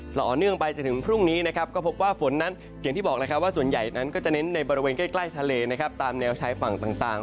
ส่อเนื่องไปจนถึงพรุ่งนี้เป็นฝนนั้นแค่ส่วนใหญ่จะเน้นในบริเวณใกล้ทะเลตามแนวช้ายฝั่งต่าง